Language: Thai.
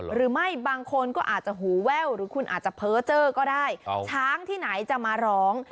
หรือไม่บางคนก็อาจจะหูแว่วหรือคุณอาจจะเพ้อเจอร์ก็ได้ช้างที่ไหนจะมาร้อง